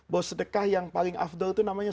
bahwa sedekah yang paling afdol itu namanya